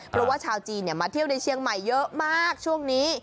เพราะว่าชาวจีนมาเที่ยวในเชียงใหม่เยอะมากช่วงนี้